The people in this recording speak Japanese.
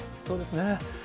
そうですね。